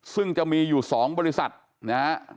ซึ่งจะมีอยู่๒บริษัทนะฮะ